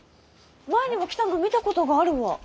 前にも来たのを見た事があるわ。